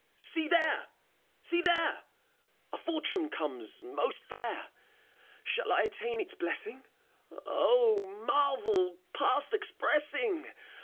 See there! See there! A fortune comes, most fair: Shall I attain its blessing f O, marvel past expressing!